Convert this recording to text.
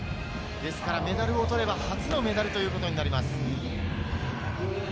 ですからメダルを取れば初のメダルということになります。